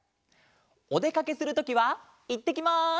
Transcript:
おでかけするときはいってきます！